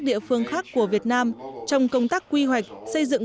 địa phương khác của việt nam trong công tác quy hoạch xây dựng